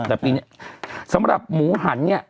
แต่ปีนี้สำหรับหมูหันเนี่ย